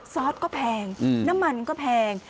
ซอสก็แพงน้ำมันก็แพง